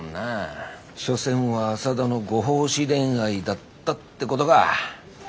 しょせんは浅田のご奉仕恋愛だったってことか。